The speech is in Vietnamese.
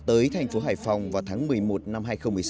tới thành phố hải phòng vào tháng một mươi một năm hai nghìn một mươi sáu